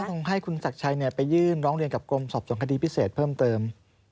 คงให้คุณศักดิ์ชัยไปยื่นร้องเรียนกับกรมสอบส่วนคดีพิเศษเพิ่มเติม